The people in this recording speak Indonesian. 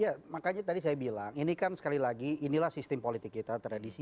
ya makanya tadi saya bilang ini kan sekali lagi inilah sistem politik kita tradisi